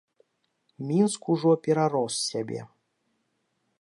Мінск ужо перарос сябе.